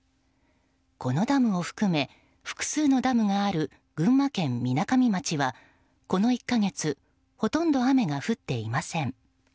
このダムを含め複数のダムがある群馬県みなかみ町はこの１か月ほとんど雨が降っていません。